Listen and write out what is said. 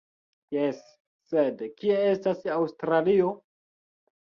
Jes, sed kie estas Aŭstralio?